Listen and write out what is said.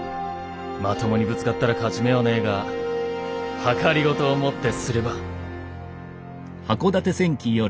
まともにぶつかったら勝ち目はねえが謀をもってすれば。